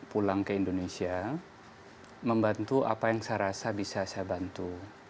pulang ke indonesia membantu apa yang saya rasa bisa saya bantu